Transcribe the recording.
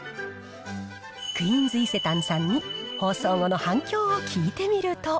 クイーンズ伊勢丹さんに放送後の反響を聞いてみると。